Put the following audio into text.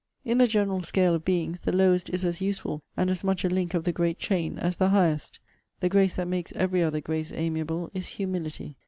'In the general scale of beings, the lowest is as useful, and as much a link of the great chain, as the highest.' 'The grace that makes every other grace amiable, is HUMILITY.'